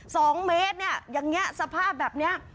สองเมตรเนี่ยอย่างเงี้ยสภาพแบบเนี้ย